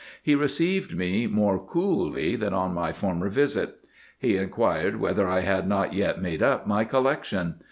He received me more coolly than on my former visit. He inquired whether I had not yet made up my collection.